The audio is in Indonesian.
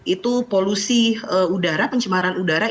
itu polusi udara pencemaran udara